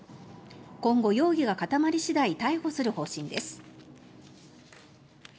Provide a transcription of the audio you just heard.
今後、容疑が固まり次第逮捕する方針です。